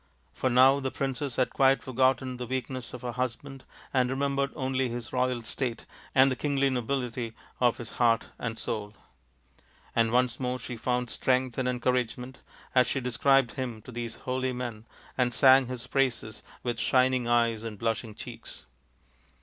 For now the princess had quite forgotten the weakness of her husband and re membered only his royal state and the kingly nobility of his heart and soul ; and once more she found strength and encouragement as she described him to these holy men and sang his praises with shining eyes and blushing cheeks.